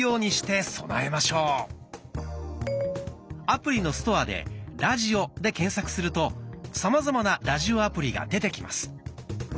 アプリのストアで「ラジオ」で検索するとさまざまなラジオアプリが出てきます。